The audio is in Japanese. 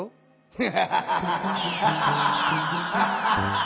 ハハハハ。